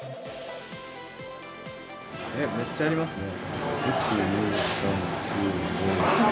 めっちゃありますね。